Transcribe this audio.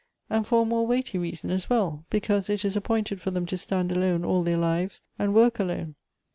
And for a more weighty reason as well — because it is appointed for them to stand alone all their lives, and work alone."